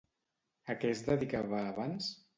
A què es dedicava abans?